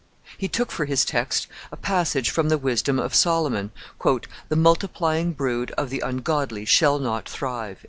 He took for his text a passage from the Wisdom of Solomon, "The multiplying brood of the ungodly shall not thrive."